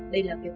đây là kết luận